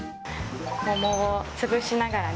桃を潰しながら。